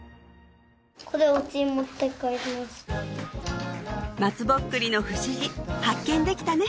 これまつぼっくりの不思議発見できたね！